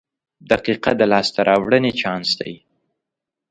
• دقیقه د لاسته راوړنې چانس دی.